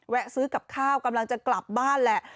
ซื้อกับข้าวกำลังจะกลับบ้านแหละ